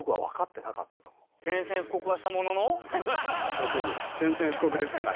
要するに宣戦布告ですから。